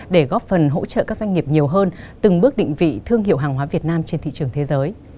để góp phần hỗ trợ các doanh nghiệp nhiều hơn từng bước định vị thương hiệu hàng hóa việt nam trên thị trường thế giới